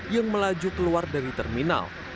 yang melaju keluar dari terminal